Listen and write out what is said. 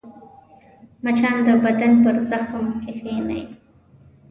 مچان د بدن پر زخم کښېني